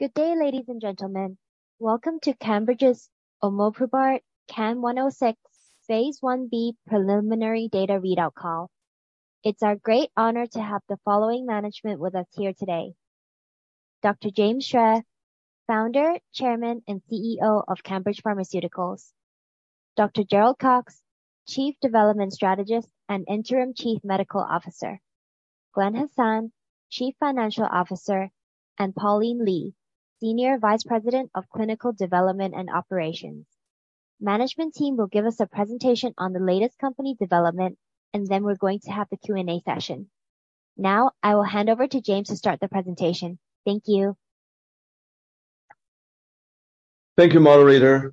Good day, ladies and gentlemen. Welcome to CANbridge's omoprubart CAN106, phase I-B preliminary data readout call. It's our great honor to have the following management with us here today. Dr. James Xue, Founder, Chairman, and CEO of CANbridge Pharmaceuticals. Dr. Gerald Cox, Chief Development Strategist and Interim Chief Medical Officer. Glenn Hassan, Chief Financial Officer, and Pauline Li, Senior Vice President of Clinical Development and Operations. Management team will give us a presentation on the latest company development, and then we're going to have the Q&A session. I will hand over to James to start the presentation. Thank you. Thank you, moderator.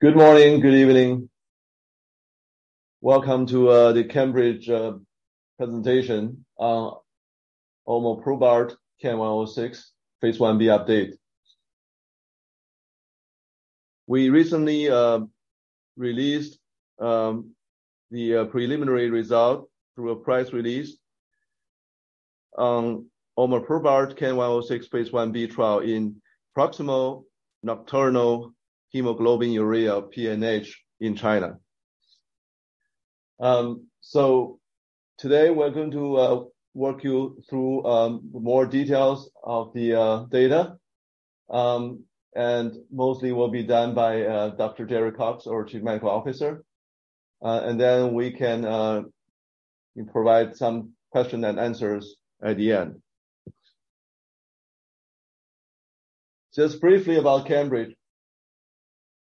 Good morning, good evening. Welcome to the CANbridge presentation, omoprubart CAN106, phase I-B update. We recently released the preliminary result through a press release on omoprubart CAN106, phase I-B trial in paroxysmal nocturnal hemoglobinuria, PNH, in China. Today we're going to walk you through more details of the data. Mostly will be done by Dr. Gerald Cox, our Chief Medical Officer. We can provide some question and answers at the end. Just briefly about CANbridge.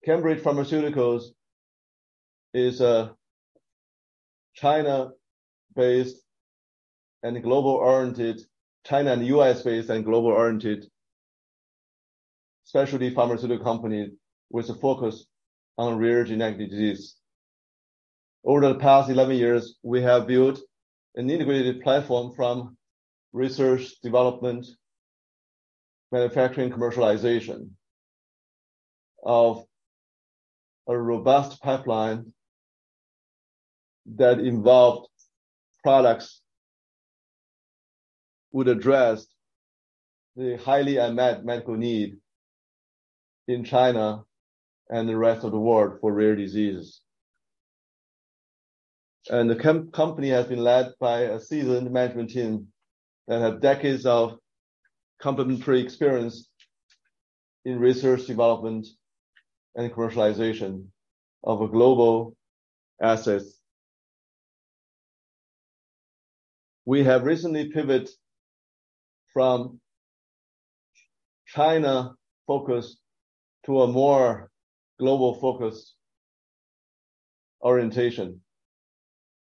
CANbridge Pharmaceuticals is a China and U.S.-based and global-oriented specialty pharmaceutical company with a focus on rare genetic disease. Over the past 11 years, we have built an integrated platform from research, development, manufacturing, commercialization, of a robust pipeline that involved products would address the highly unmet medical need in China and the rest of the world for rare diseases. The company has been led by a seasoned management team that have decades of complementary experience in research, development, and commercialization of a global assets. We have recently pivot from China focus to a more global focus orientation,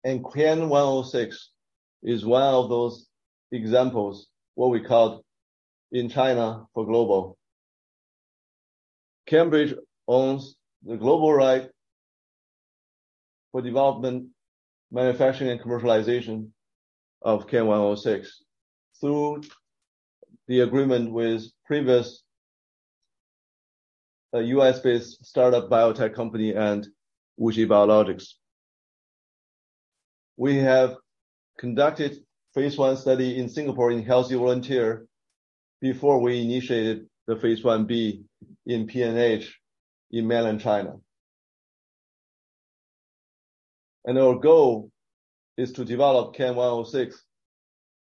and CAN106 is one of those examples, what we call in China for global. CANbridge owns the global right for development, manufacturing, and commercialization of CAN106 through the agreement with previous U.S.-based startup biotech company and WuXi Biologics. We have conducted phase I study in Singapore in healthy volunteer before we initiated the phase I-B in PNH in Mainland China. Our goal is to develop CAN106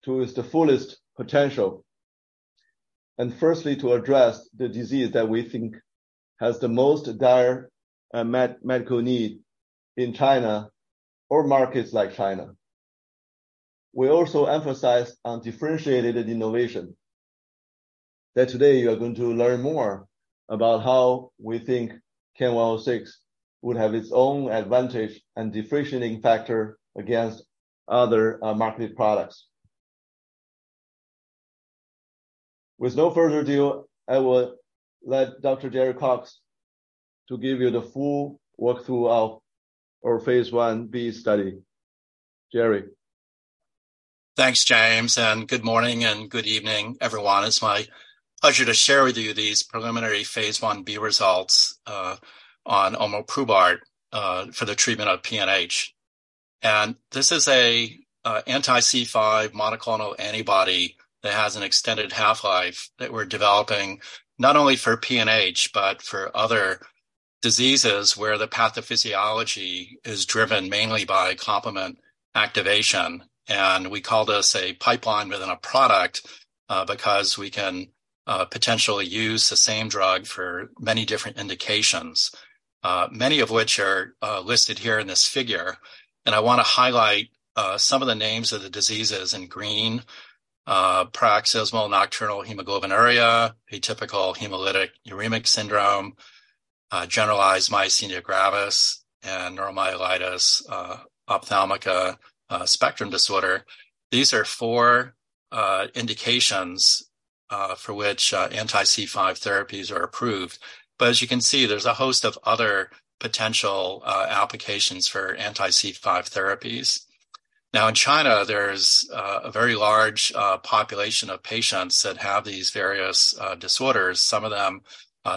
to its fullest potential, and firstly, to address the disease that we think has the most dire medical need in China or markets like China. We also emphasize on differentiated innovation, that today you are going to learn more about how we think CAN106 would have its own advantage and differentiating factor against other market products. With no further ado, I will let Dr. Gerald Cox to give you the full walkthrough of our phase I-B study. Gerry? Thanks, James. Good morning and good evening, everyone. It's my pleasure to share with you these preliminary phase I-B results on omoprubart for the treatment of PNH. This is an anti-C5 monoclonal antibody that has an extended half-life that we're developing not only for PNH, but for other diseases where the pathophysiology is driven mainly by complement activation. We call this a pipeline within a product because we can potentially use the same drug for many different indications, many of which are listed here in this figure. I want to highlight some of the names of the diseases in green, paroxysmal nocturnal hemoglobinuria, atypical hemolytic uremic syndrome, generalized myasthenia gravis, and neuromyelitis optica spectrum disorder. These are four indications for which anti-C5 therapies are approved. As you can see, there's a host of other potential applications for anti-C5 therapies. In China, there's a very large population of patients that have these various disorders. Some of them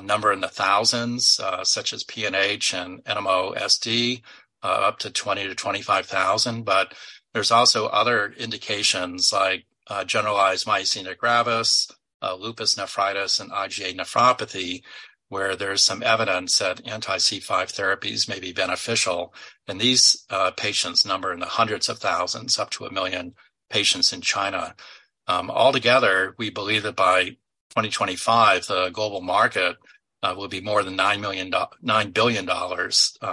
number in the thousands, such as PNH and NMOSD, up to 20,000-25,000. There's also other indications like generalized myasthenia gravis, lupus nephritis, and IgA nephropathy, where there's some evidence that anti-C5 therapies may be beneficial. These patients number in the hundreds of thousands, up to 1 million patients in China. Altogether, we believe that by 2025, the global market will be more than $9 billion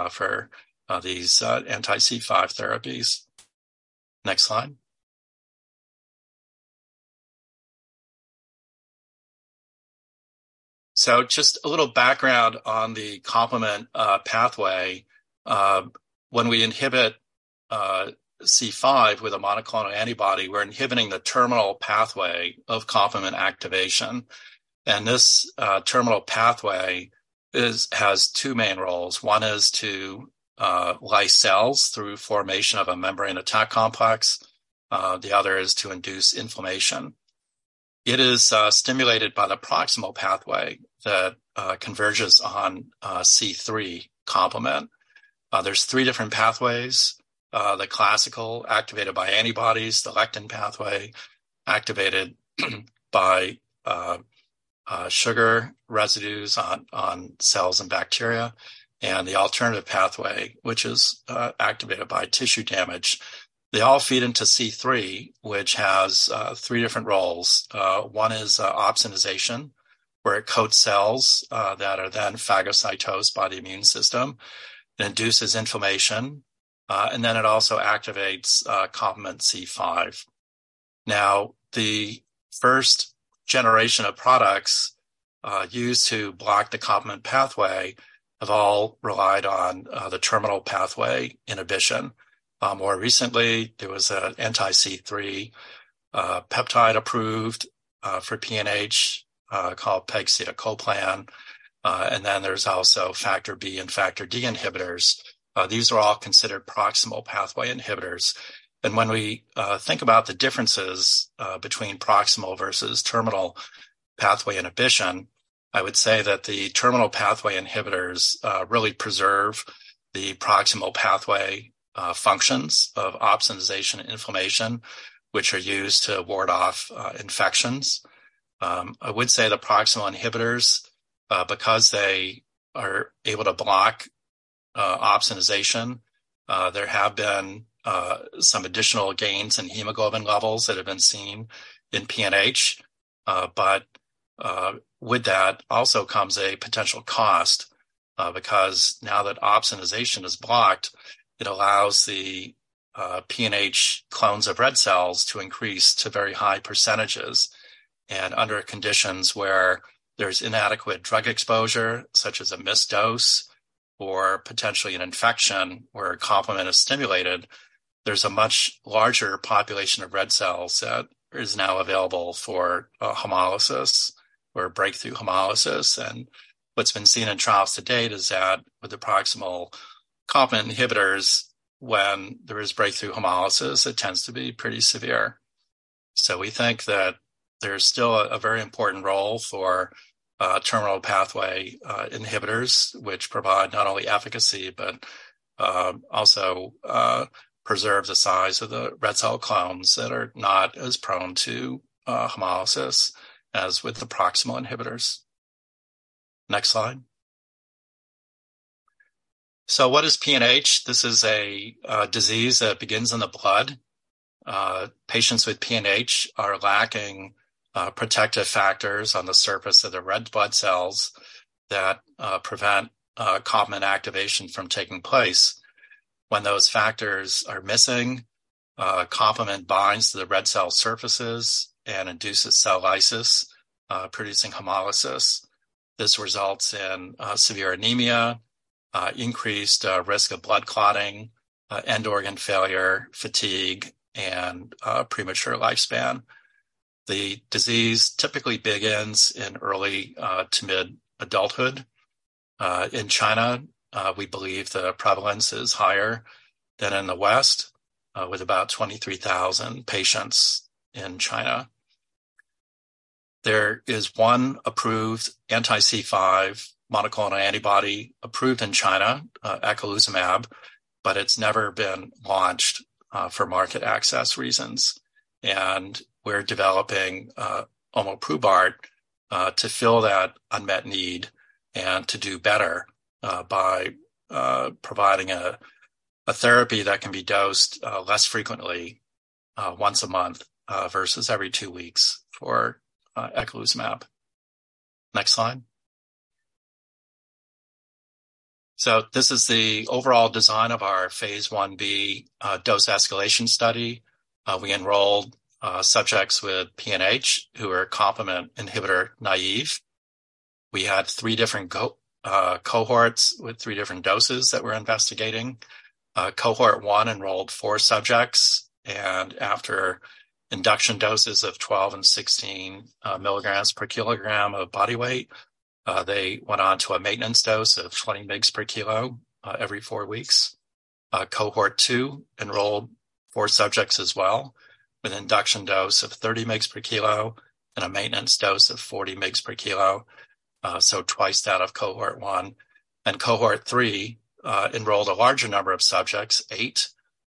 for these anti-C5 therapies. Next slide. Just a little background on the complement pathway. When we inhibit C5 with a monoclonal antibody, we're inhibiting the terminal pathway of complement activation. This terminal pathway has two main roles. One is to lyse cells through formation of a membrane attack complex. The other is to induce inflammation. It is stimulated by the proximal pathway that converges on C3 complement. There's three different pathways. The classical, activated by antibodies, the lectin pathway, activated by sugar residues on cells and bacteria, and the alternative pathway, which is activated by tissue damage. They all feed into C3, which has three different roles. One is opsonization, where it coats cells that are then phagocytosed by the immune system. It induces inflammation, and then it also activates complement C5. The first generation of products used to block the complement pathway have all relied on the terminal pathway inhibition. More recently, there was an anti-C3 peptide approved for PNH called pegcetacoplan. There's also factor B and factor D inhibitors. These are all considered proximal pathway inhibitors. When we think about the differences between proximal versus terminal pathway inhibition, I would say that the terminal pathway inhibitors really preserve the proximal pathway functions of opsonization and inflammation, which are used to ward off infections. I would say the proximal inhibitors, because they are able to block opsonization, there have been some additional gains in hemoglobin levels that have been seen in PNH. With that also comes a potential cost because now that opsonization is blocked, it allows the PNH clones of red cells to increase to very high percentages. Under conditions where there's inadequate drug exposure, such as a missed dose or potentially an infection where a complement is stimulated, there's a much larger population of red cells that is now available for hemolysis or breakthrough hemolysis. What's been seen in trials to date is that with the proximal complement inhibitors, when there is breakthrough hemolysis, it tends to be pretty severe. We think that there's still a very important role for terminal pathway inhibitors, which provide not only efficacy, but also preserve the size of the red cell clones that are not as prone to hemolysis as with the proximal inhibitors. Next slide. What is PNH? This is a disease that begins in the blood. Patients with PNH are lacking protective factors on the surface of their red blood cells that prevent complement activation from taking place. When those factors are missing, complement binds to the red cell surfaces and induces cell lysis, producing hemolysis. This results in severe anemia, increased risk of blood clotting, end organ failure, fatigue, and premature lifespan. The disease typically begins in early to mid-adulthood. In China, we believe the prevalence is higher than in the West, with about 23,000 patients in China. There is one approved anti-C5 monoclonal antibody approved in China, eculizumab, but it's never been launched for market access reasons. We're developing omoprubart to fill that unmet need and to do better by providing a therapy that can be dosed less frequently, once a month, versus every two weeks for eculizumab. Next slide. This is the overall design of our phase I-B dose escalation study. We enrolled subjects with PNH who are complement inhibitor naive. We had three different cohorts with three different doses that we're investigating. Cohort 1 enrolled four subjects, and after induction doses of 12 mg/kg and 16 mg/kg of body weight, they went on to a maintenance dose of 20 mg/kg every four weeks. Cohort 2 enrolled four subjects as well, with an induction dose of 30 mg/kg and a maintenance dose of 40 mg/kg. Twice that of cohort 1. Cohort 3 enrolled a larger number of subjects, eight,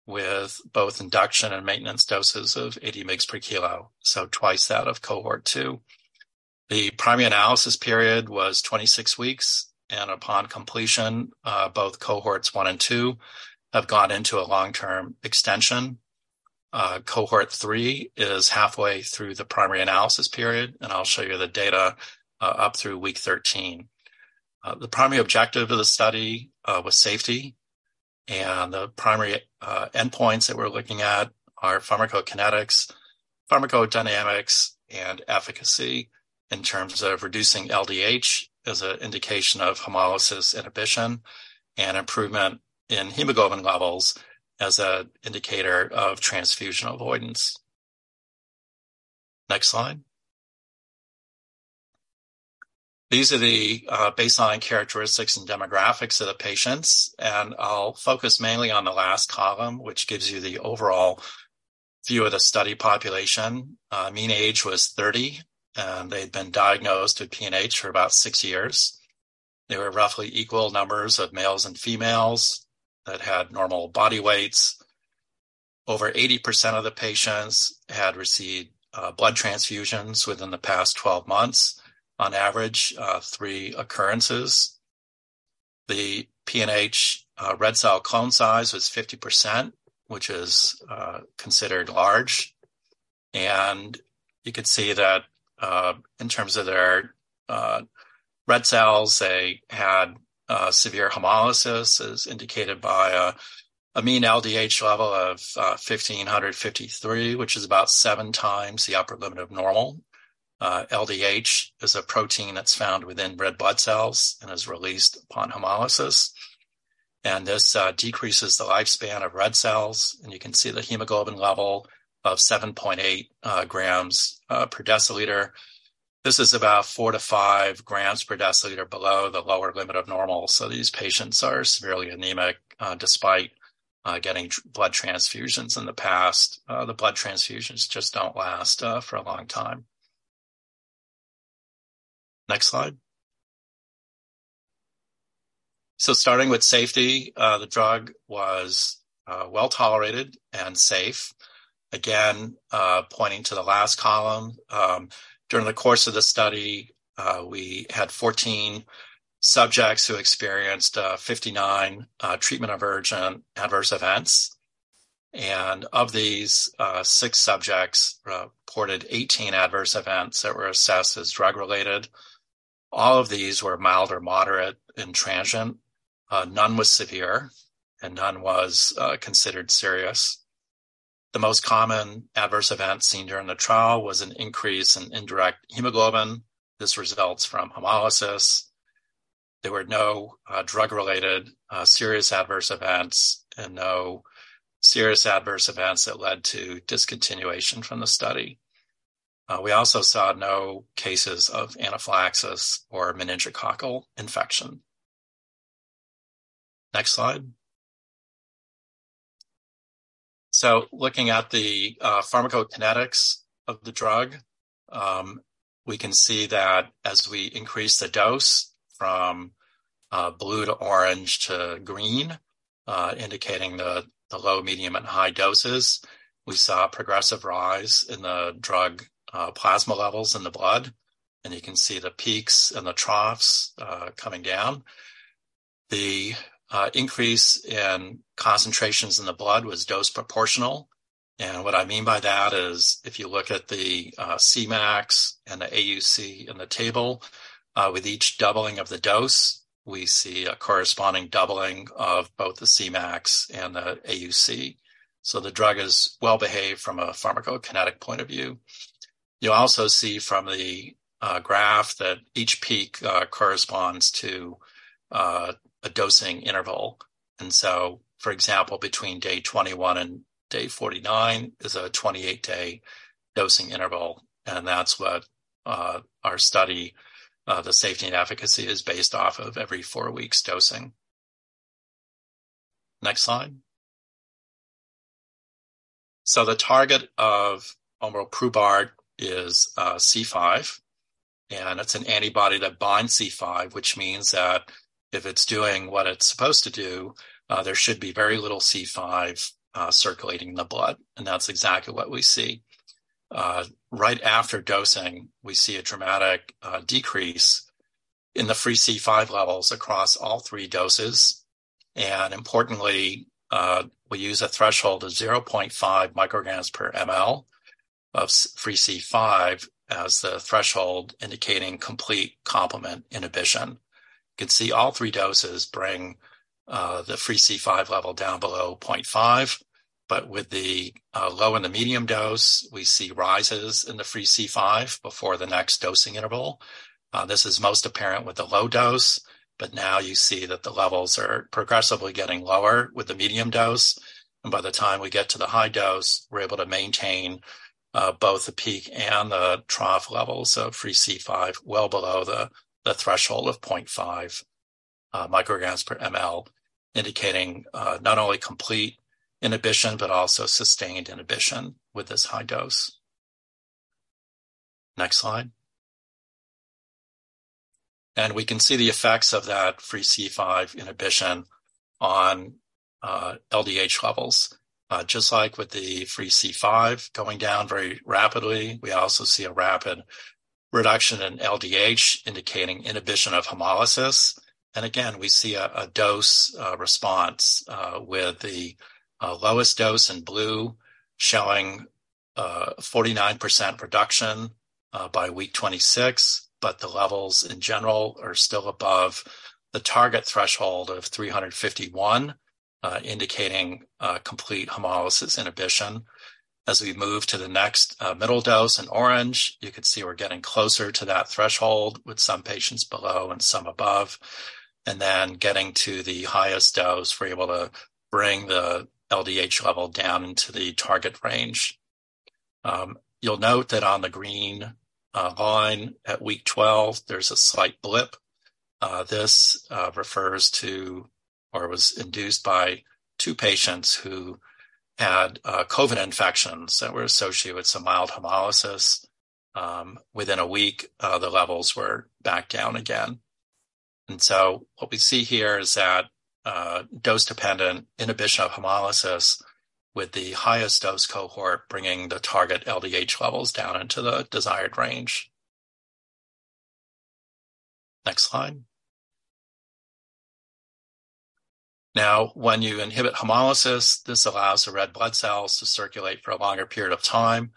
with both induction and maintenance doses of 80 mg/kg, twice that of cohort 2. The primary analysis period was 26 weeks, upon completion, both cohorts 1 and 2 have gone into a long-term extension. Cohort 3 is halfway through the primary analysis period, I'll show you the data up through week 13. The primary objective of the study was safety, the primary endpoints that we're looking at are pharmacokinetics, pharmacodynamics, and efficacy in terms of reducing LDH as an indication of hemolysis inhibition, and improvement in hemoglobin levels as an indicator of transfusion avoidance. Next slide. These are the baseline characteristics and demographics of the patients, and I'll focus mainly on the last column, which gives you the overall view of the study population. Mean age was 30, and they'd been diagnosed with PNH for about six years. There were roughly equal numbers of males and females that had normal body weights. Over 80% of the patients had received blood transfusions within the past 12 months. On average, three occurrences. The PNH red cell clone size was 50%, which is considered large. You can see that in terms of their red cells, they had severe hemolysis, as indicated by a mean LDH level of 1,553, which is about 7x the upper limit of normal. LDH is a protein that's found within red blood cells and is released upon hemolysis, and this decreases the lifespan of red cells, and you can see the hemoglobin level of 7.8 g/dL. This is about 4 g/dL-5 g/dL below the lower limit of normal. These patients are severely anemic despite getting blood transfusions in the past. The blood transfusions just don't last for a long time. Next slide. Starting with safety, the drug was well-tolerated and safe. Again, pointing to the last column, during the course of the study, we had 14 subjects who experienced 59 treatment emergent adverse events, and of these, six subjects reported 18 adverse events that were assessed as drug related. All of these were mild or moderate and transient. None was severe, and none was considered serious. The most common adverse event seen during the trial was an increase in indirect bilirubin. This results from hemolysis. There were no drug-related serious adverse events and no serious adverse events that led to discontinuation from the study. We also saw no cases of anaphylaxis or meningococcal infection. Next slide. Looking at the pharmacokinetics of the drug, we can see that as we increase the dose from blue to orange to green, indicating the low, medium, and high doses, we saw a progressive rise in the drug plasma levels in the blood, and you can see the peaks and the troughs coming down. The increase in concentrations in the blood was dose proportional, and what I mean by that is, if you look at the Cmax and the AUC in the table, with each doubling of the dose, we see a corresponding doubling of both the Cmax and the AUC. The drug is well behaved from a pharmacokinetic point of view. You'll also see from the graph that each peak corresponds to a dosing interval. For example, between day 21 and day 49 is a 28-day dosing interval, and that's what our study, the safety and efficacy is based off of, every four weeks dosing. Next slide. The target of omoprubart is C5, and it's an antibody that binds C5, which means that if it's doing what it's supposed to do, there should be very little C5 circulating in the blood, and that's exactly what we see. Right after dosing, we see a dramatic decrease in the free C5 levels across all three doses. Importantly, we use a threshold of 0.5 mcg/mL of free C5 as the threshold, indicating complete complement inhibition. You can see all three doses bring the free C5 level down below 0.5 mcg/mL, but with the low and the medium dose, we see rises in the free C5 before the next dosing interval. This is most apparent with the low dose, but now you see that the levels are progressively getting lower with the medium dose, and by the time we get to the high dose, we're able to maintain both the peak and the trough levels of free C5 well below the threshold of 0.5 mcg/mL, indicating not only complete inhibition, but also sustained inhibition with this high dose. Next slide. We can see the effects of that free C5 inhibition on LDH levels. Just like with the free C5 going down very rapidly, we also see a rapid reduction in LDH, indicating inhibition of hemolysis. Again, we see a dose response with the lowest dose in blue showing 49% reduction by week 26. The levels in general are still above the target threshold of 351, indicating complete hemolysis inhibition. As we move to the next middle dose in orange, you can see we're getting closer to that threshold, with some patients below and some above. Getting to the highest dose, we're able to bring the LDH level down into the target range. You'll note that on the green line at week 12, there's a slight blip. This refers to, or was induced by two patients who had COVID infections that were associated with some mild hemolysis. Within a week, the levels were back down again. What we see here is that dose-dependent inhibition of hemolysis with the highest dose cohort, bringing the target LDH levels down into the desired range. Next slide. When you inhibit hemolysis, this allows the red blood cells to circulate for a longer period of time,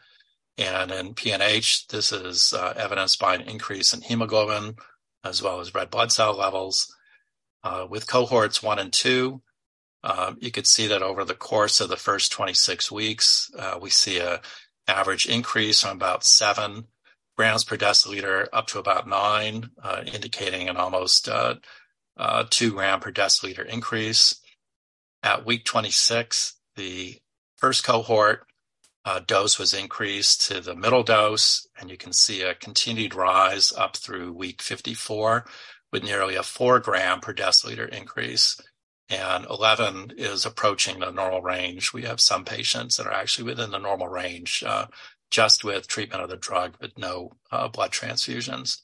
and in PNH, this is evidenced by an increase in hemoglobin, as well as red blood cell levels. With cohorts 1 and 2, you could see that over the course of the first 26 weeks, we see a average increase on about 7 g/dL up to about 9 g/dL, indicating an almost 2 g/dL increase. At week 26, the first cohort dose was increased to the middle dose, and you can see a continued rise up through week 54, with nearly a 4-g/dL increase. Eleven is approaching the normal range. We have some patients that are actually within the normal range, just with treatment of the drug, but no blood transfusions.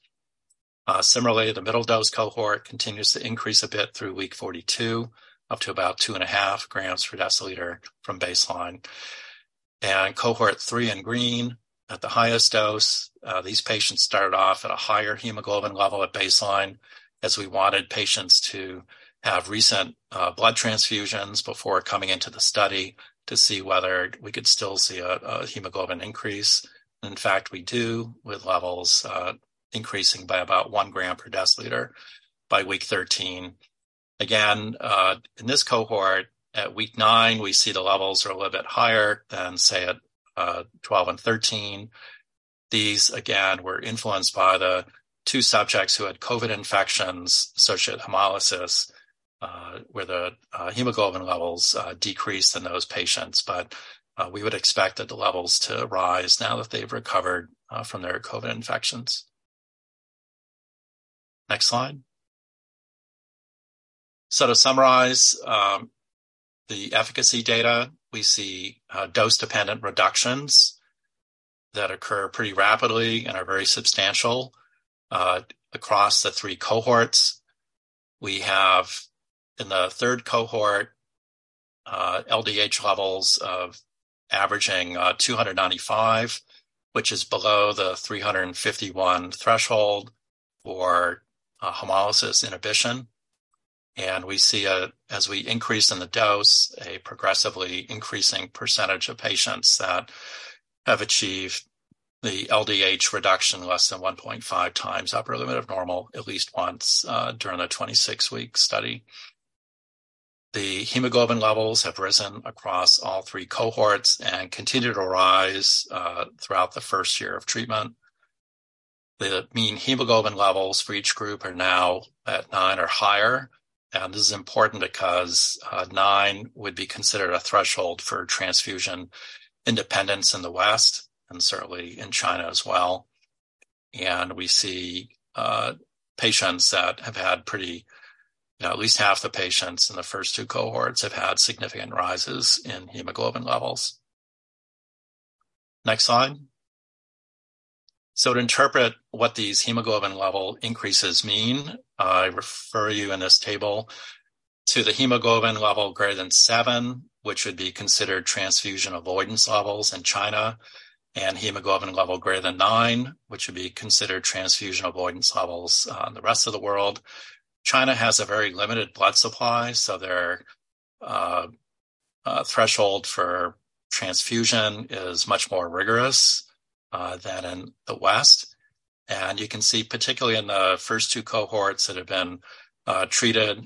Similarly, the middle dose cohort continues to increase a bit through week 42, up to about 2.5 g/dL from baseline. Cohort 3 in green, at the highest dose, these patients started off at a higher hemoglobin level at baseline, as we wanted patients to have recent blood transfusions before coming into the study, to see whether we could still see a hemoglobin increase. In fact, we do, with levels increasing by about 1 g/dL by week 13. Again, in this cohort, at week nine, we see the levels are a little bit higher than, say, at 12 and 13. These, again, were influenced by the two subjects who had COVID infections, associated hemolysis, where the hemoglobin levels decreased in those patients. We would expect that the levels to rise now that they've recovered from their COVID infections. Next slide. To summarize, the efficacy data, we see dose-dependent reductions that occur pretty rapidly and are very substantial across the three cohorts. We have, in the third cohort, LDH levels of averaging 295, which is below the 351 threshold for hemolysis inhibition. We see a, as we increase in the dose, a progressively increasing percentage of patients that have achieved the LDH reduction less than 1.5x upper limit of normal, at least once during the 26-week study. The hemoglobin levels have risen across all three cohorts and continue to rise throughout the first year of treatment. The mean hemoglobin levels for each group are now at nine or higher. This is important because nine would be considered a threshold for transfusion independence in the West, and certainly in China as well. We see at least half the patients in the first two cohorts have had significant rises in hemoglobin levels. Next slide. To interpret what these hemoglobin level increases mean, I refer you in this table to the hemoglobin level greater than seven, which would be considered transfusion avoidance levels in China, and hemoglobin level greater than nine, which would be considered transfusion avoidance levels in the rest of the world. China has a very limited blood supply, their threshold for transfusion is much more rigorous than in the West. You can see, particularly in the first two cohorts that have been treated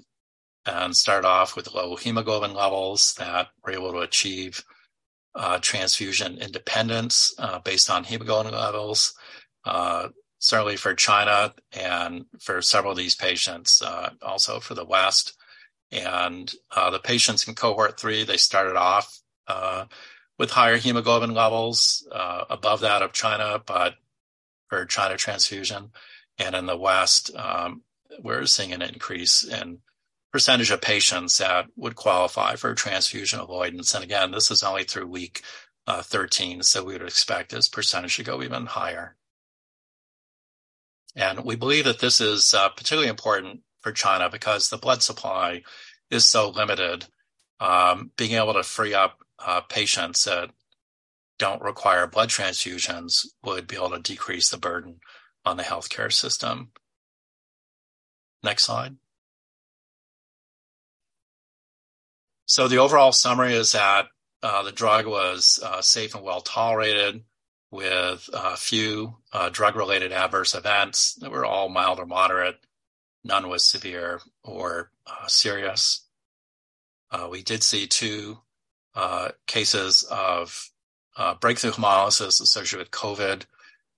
and start off with low hemoglobin levels, that we're able to achieve transfusion independence, based on hemoglobin levels. Certainly for China and for several of these patients, also for the West. The patients in cohort three, they started off with higher hemoglobin levels, above that of China, for trying a transfusion, and in the West, we're seeing an increase in percentage of patients that would qualify for transfusion avoidance. Again, this is only through week 13, so we would expect this percentage to go even higher. We believe that this is particularly important for China because the blood supply is so limited, being able to free up patients that don't require blood transfusions would be able to decrease the burden on the healthcare system. Next slide. The overall summary is that the drug was safe and well-tolerated, with a few drug-related adverse events that were all mild or moderate. None was severe or serious. We did see two cases of breakthrough hemolysis associated with COVID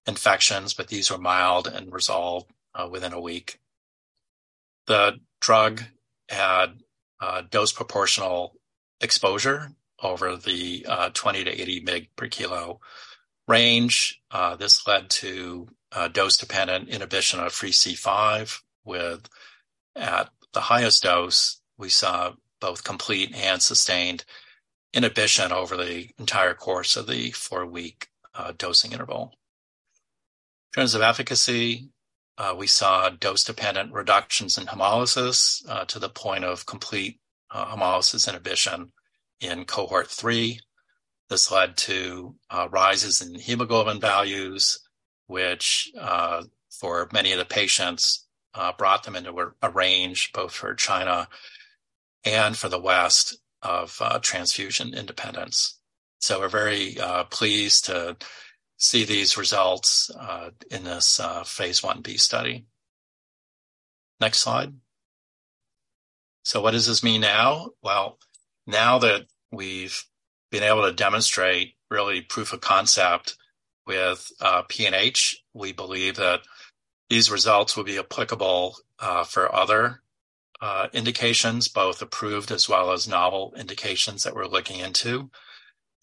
infections, but these were mild and resolved within a week. The drug had a dose-proportional exposure over the 20 mg/kg-80 mg kg range. This led to dose-dependent inhibition of free C5, with at the highest dose, we saw both complete and sustained inhibition over the entire course of the four-week dosing interval. In terms of efficacy, we saw dose-dependent reductions in hemolysis, to the point of complete hemolysis inhibition in cohort 3. This led to rises in hemoglobin values, which for many of the patients brought them into a range both for China and for the West of transfusion independence. We're very pleased to see these results in this phase I-B study. Next slide. What does this mean now? Well, now that we've been able to demonstrate really proof of concept with PNH, we believe that these results will be applicable for other indications, both approved as well as novel indications that we're looking into.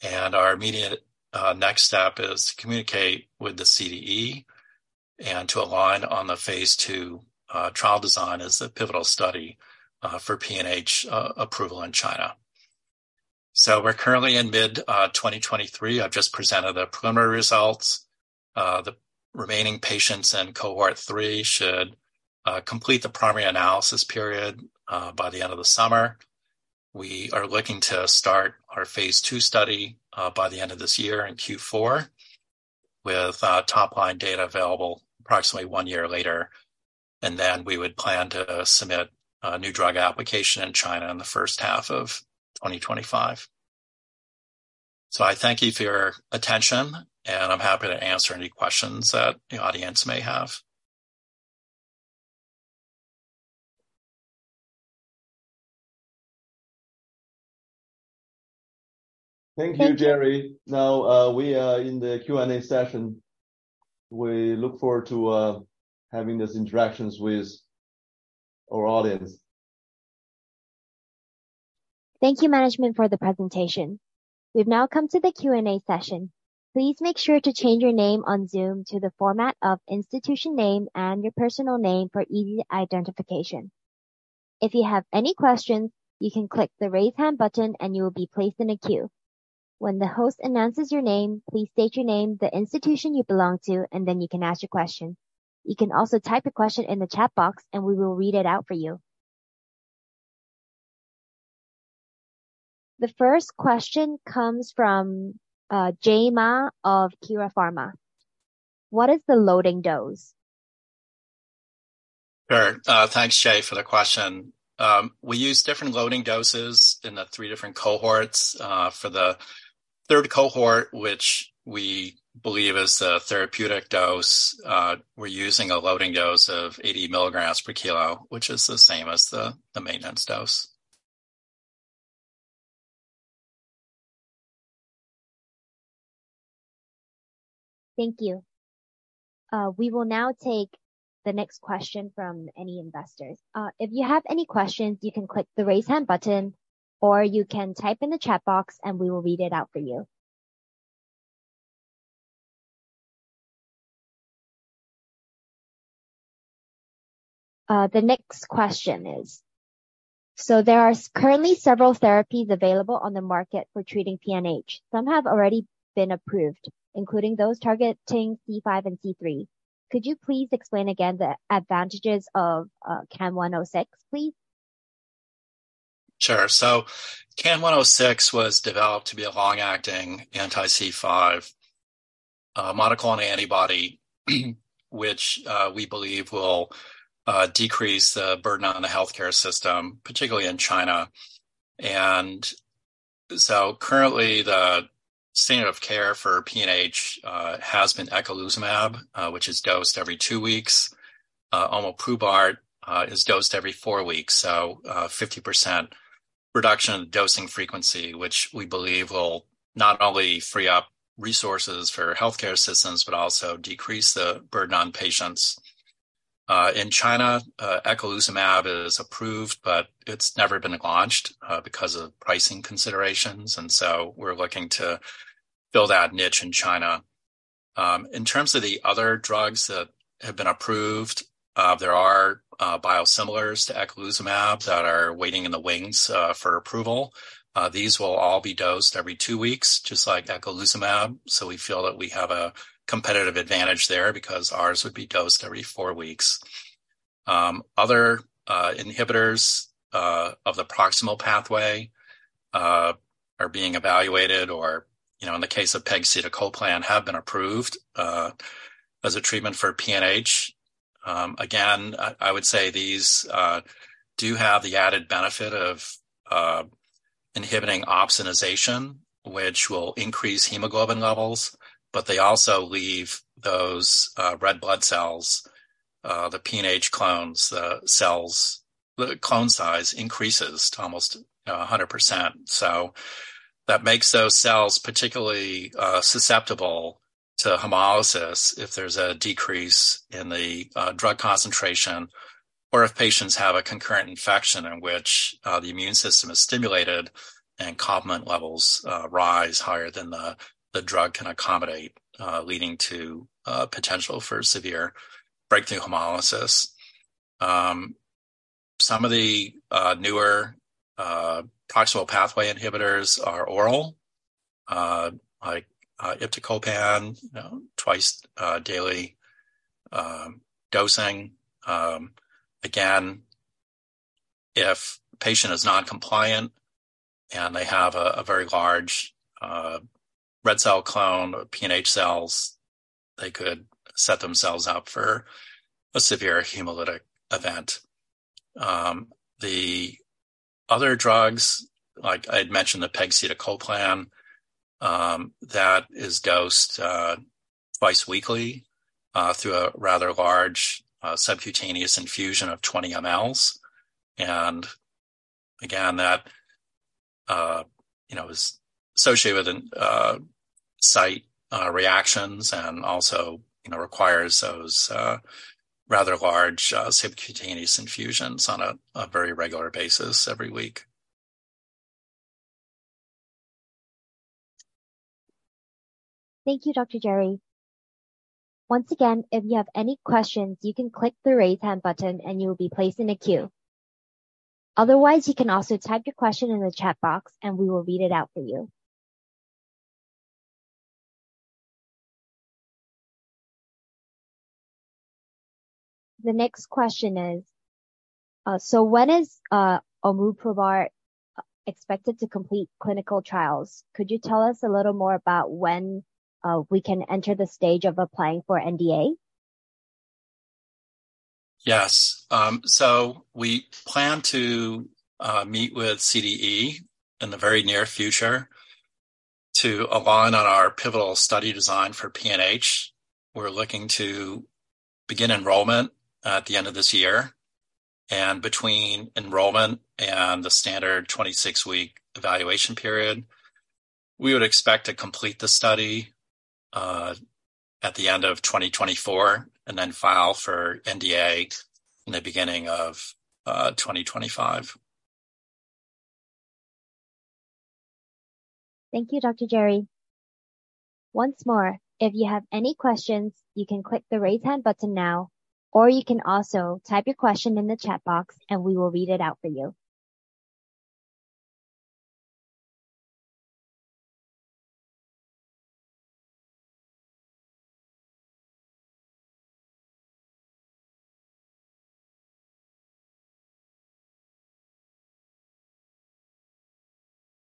Our immediate next step is to communicate with the CDE and to align on the phase II trial design as the pivotal study for PNH approval in China. We're currently in mid 2023. I've just presented the preliminary results. The remaining patients in cohort 3 should complete the primary analysis period by the end of the summer. We are looking to start our phase II study by the end of this year in Q4, with top-line data available approximately one year later. Then we would plan to submit a new drug application in China in the first half of 2025. I thank you for your attention, and I'm happy to answer any questions that the audience may have. Thank you, Gerry. Now, we are in the Q&A session. We look forward to having these interactions with our audience. Thank you, management, for the presentation. We've now come to the Q&A session. Please make sure to change your name on Zoom to the format of institution name and your personal name for easy identification. If you have any questions, you can click the Raise Hand button. You will be placed in a queue. When the host announces your name, please state your name, the institution you belong to. You can ask your question. You can also type your question in the chat box. We will read it out for you. The first question comes from Jay Ma of Kira Pharma. What is the loading dose? Sure. Thanks, Jay, for the question. We use different loading doses in the three different cohorts. For the third cohort, which we believe is the therapeutic dose, we're using a loading dose of 80 mg/kg, which is the same as the maintenance dose. Thank you. We will now take the next question from any investors. If you have any questions, you can click the Raise Hand button, or you can type in the chat box, and we will read it out for you. The next question is: There are currently several therapies available on the market for treating PNH. Some have already been approved, including those targeting C5 and C3. Could you please explain again the advantages of, CAN106, please? Sure. CAN106 was developed to be a long-acting anti-C5 monoclonal antibody, which we believe will decrease the burden on the healthcare system, particularly in China. Currently, the standard of care for PNH has been eculizumab, which is dosed every two weeks. Omalizumab is dosed every four weeks, so a 50% reduction in dosing frequency, which we believe will not only free up resources for healthcare systems but also decrease the burden on patients. In China, eculizumab is approved, but it's never been launched because of pricing considerations, and so we're looking to fill that niche in China. In terms of the other drugs that have been approved, there are biosimilars to eculizumab that are waiting in the wings for approval. These will all be dosed every two weeks, so we feel that we have a competitive advantage there because ours would be dosed every four weeks. Other inhibitors of the proximal pathway are being evaluated or, you know, in the case of pegcetacoplan, have been approved as a treatment for PNH. Again, I would say these do have the added benefit of inhibiting opsonization, which will increase hemoglobin levels, but they also leave those red blood cells, the PNH clones, the cells, the clone size increases to almost 100% That makes those cells particularly susceptible to hemolysis if there's a decrease in the drug concentration or if patients have a concurrent infection in which the immune system is stimulated, and complement levels rise higher than the drug can accommodate, leading to potential for severe breakthrough hemolysis. Some of the newer proximal pathway inhibitors are oral, like iptacopan, you know, twice daily dosing. Again, if patient is non-compliant, and they have a very large red cell clone or PNH cells, they could set themselves up for a severe hemolytic event. The other drugs, like I'd mentioned, pegcetacoplan, that is dosed twice weekly through a rather large subcutaneous infusion of 20 mL. Again, that, you know, is associated with site reactions and also, you know, requires those rather large subcutaneous infusions on a very regular basis every week. Thank you, Dr. Gerry. Once again, if you have any questions, you can click the Raise Hand button, and you will be placed in a queue. Otherwise, you can also type your question in the chat box, and we will read it out for you. The next question is, when is omoprubart expected to complete clinical trials? Could you tell us a little more about when we can enter the stage of applying for NDA? Yes. We plan to meet with CDE in the very near future to align on our pivotal study design for PNH. We're looking to begin enrollment at the end of this year, and between enrollment and the standard 26-week evaluation period, we would expect to complete the study at the end of 2024 and then file for NDA in the beginning of 2025. Thank you, Dr. Gerry. Once more, if you have any questions, you can click the Raise Hand button now, or you can also type your question in the chat box, and we will read it out for you.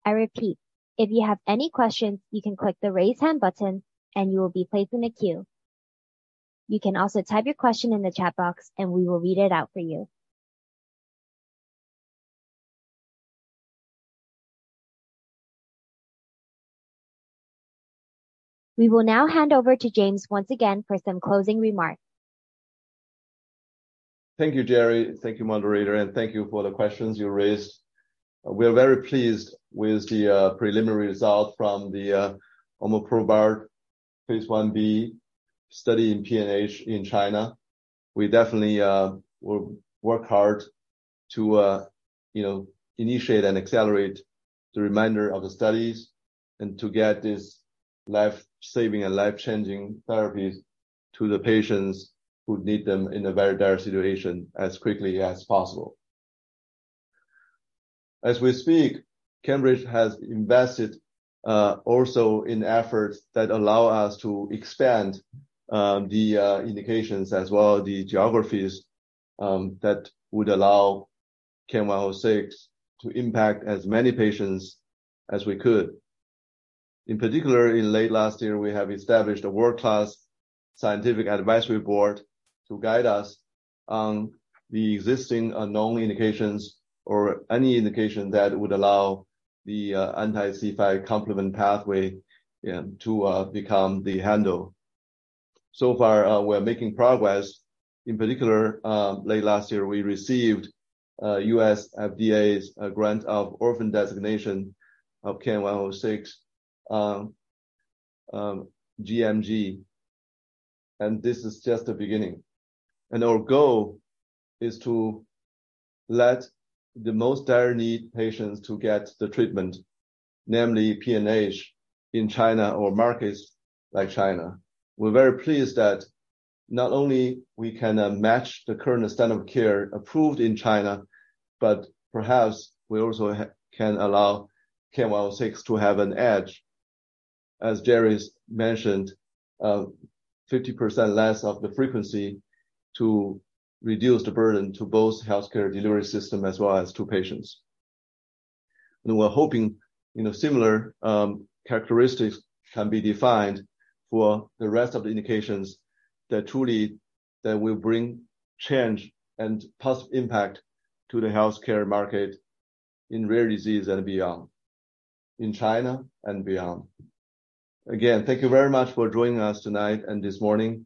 I repeat, if you have any questions, you can click the Raise Hand button, and you will be placed in a queue. You can also type your question in the chat box, and we will read it out for you. We will now hand over to James once again for some closing remarks. Thank you, Gerry. Thank you, moderator, and thank you for the questions you raised. We are very pleased with the preliminary result from the omoprubart phase I-B study in PNH in China. We definitely will work hard to, you know, initiate and accelerate the remainder of the studies and to get this life-saving and life-changing therapies to the patients who need them in a very dire situation as quickly as possible. As we speak, CANbridge has invested also in efforts that allow us to expand the indications as well, the geographies, that would allow CAN106 to impact as many patients as we could. In particular, in late last year, we have established a world-class scientific advisory board to guide us on the existing unknown indications or any indication that would allow the anti-C5 complement pathway to become the handle. Far, we're making progress. In particular, late last year, we received U.S. FDA's grant of orphan designation of CAN106, GMG, and this is just the beginning. Our goal is to let the most dire need patients to get the treatment, namely PNH, in China or markets like China. We're very pleased that not only we can match the current standard of care approved in China, but perhaps we also can allow CAN106 to have an edge. As Gerry's mentioned, 50% less of the frequency to reduce the burden to both healthcare delivery system as well as to patients. We're hoping, you know, similar characteristics can be defined for the rest of the indications that will bring change and positive impact to the healthcare market in rare disease and beyond, in China and beyond. Again, thank you very much for joining us tonight and this morning,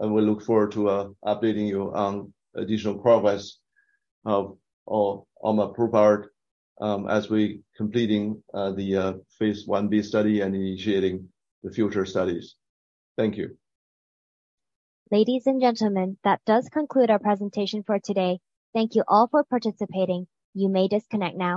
and we look forward to updating you on additional progress of omoprubart, as we completing the phase I-B study and initiating the future studies. Thank you. Ladies and gentlemen, that does conclude our presentation for today. Thank you all for participating. You may disconnect now.